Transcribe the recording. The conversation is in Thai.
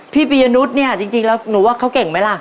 ปียนุษย์เนี่ยจริงแล้วหนูว่าเขาเก่งไหมล่ะ